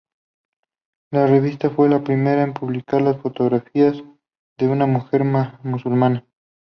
La revista fue la primera en publicar la fotografía de una mujer musulmana.